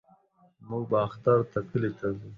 موږ به اختر ته کلي له زو.